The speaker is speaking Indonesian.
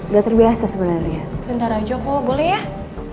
gak terbiasa sebenernya bentar aja kok boleh ya